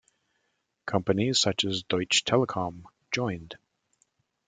Companies such as Deutsche Telekom joined.